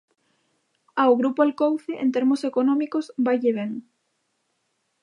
Ao Grupo Alcouce, en termos económicos, vaille ben.